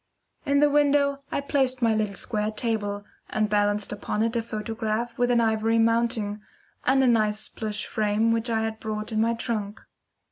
In the window I placed my little square table, and balanced upon it a photograph with an ivory mounting and a nice plush frame which I had brought in my trunk.